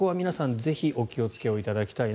ぜひお気をつけいただきたいな